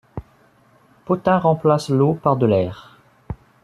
Potain remplace l'eau par de l'air.